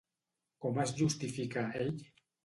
Com es justifica ell?